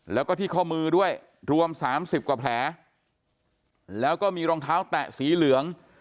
แล้วก็ที่ข้อมือด้วยรวมสามสิบกว่าแผลแล้วก็มีรองเท้าแตะสีเหลือง